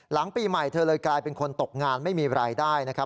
หลังปีใหม่เธอเลยกลายเป็นคนตกงานไม่มีรายได้นะครับ